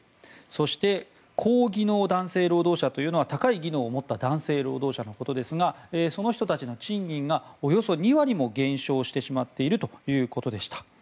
そして高技能男性労働者というのは高い技能を持った男性労働者のことですがその人たちの賃金がおよそ２割も減少してしまっているということでした。